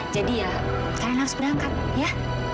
jadi ya kalian harus berangkat ya